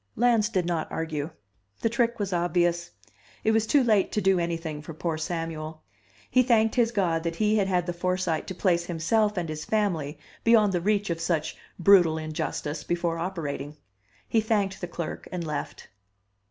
Lans did not argue. The trick was obvious; it was too late to do anything for poor Samuel. He thanked his God that he had had the foresight to place himself and his family beyond the reach of such brutal injustice before operating. He thanked the clerk and left.